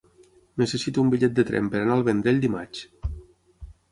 Necessito un bitllet de tren per anar al Vendrell dimarts.